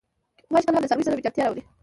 غوماشې کله هم د څارویو سره ویجاړتیا راولي.